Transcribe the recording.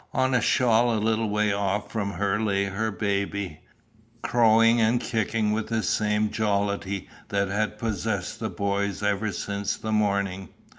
On a shawl a little way off from her lay her baby, crowing and kicking with the same jollity that had possessed the boys ever since the morning.